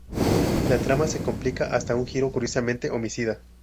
La trama se complica hasta un giro curiosamente homicida.